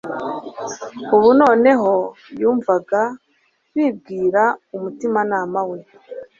ubu noneho yumvaga bibwira umutimanama we,